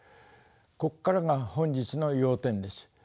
ここからが本日の要点です。